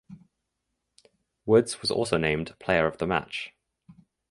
Woods was also named player of the match.